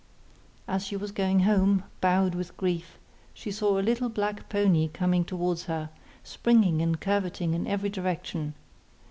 As she was going home, bowed with grief, she saw a little black pony coming towards her, springing and curveting in every direction.